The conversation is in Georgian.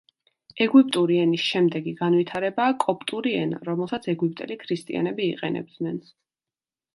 ეგვიპტური ენის შემდეგი განვითარებაა კოპტური ენა, რომელსაც ეგვიპტელი ქრისტიანები იყენებდნენ.